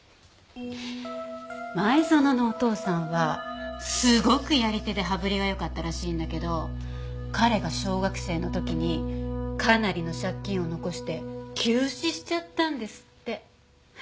前園のお父さんはすごくやり手で羽振りが良かったらしいんだけど彼が小学生の時にかなりの借金を残して急死しちゃったんですって。